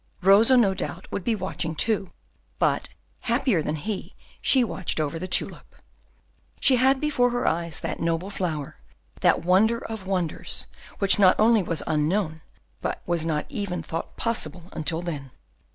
Rosa, no doubt, would be watching too, but, happier than he, she watched over the tulip; she had before her eyes that noble flower, that wonder of wonders, which not only was unknown, but was not even thought possible until then.